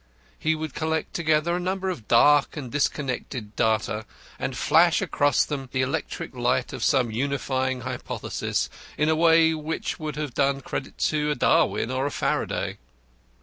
He would collect together a number of dark and disconnected data and flash across them the electric light of some unifying hypothesis in a way which would have done credit to a Darwin or a Faraday.